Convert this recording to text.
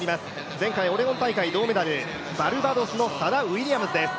前回オレゴン大会銅メダルバルバドスのウィリアムズです。